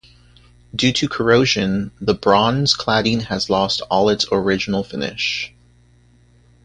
Due to corrosion the bronze cladding has lost all its original finish.